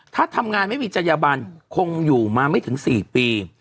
ถ้าทำงานไม่มีจัญญบันคงอยู่มาไม่ถึง๔ปี